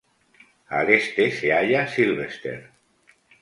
Al este se halla Sylvester.